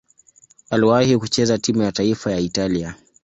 Aliwahi kucheza timu ya taifa ya Italia.